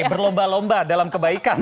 berlomba lomba dalam kebaikan